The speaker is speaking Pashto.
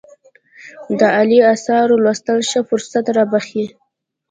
د عالي آثارو لوستل ښه فرصت رابخښي.